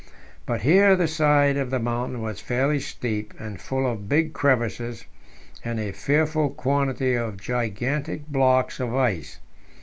But here the side of the mountain was fairly steep, and full of big crevasses and a fearful quantity of gigantic blocks of ice.